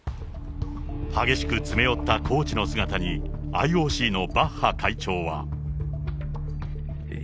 激しく詰め寄ったコーチの姿に、ＩＯＣのバッハ会長は。